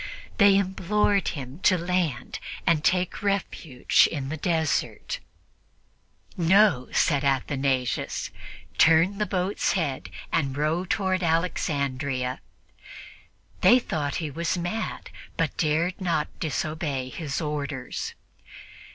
They implored him to land and take refuge in the desert. "No," said Athanasius; "turn the boat's head and row toward Alexandria." They thought he was mad, but dared not disobey his orders.